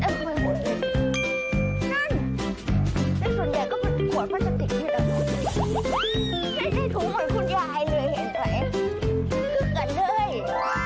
ได้ถุงเหมือนคุณยายเลยเห็นไหม